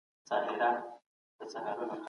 د انسان کرامت باید تل خوندي وي.